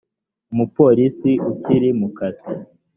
umupolisi ukiri mu kazi